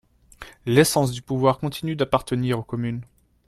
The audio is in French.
L’essence du pouvoir continue d’appartenir aux communes.